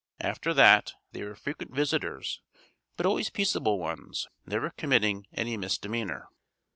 After that they were frequent visitors but always peaceable ones, never committing any misdemeanor.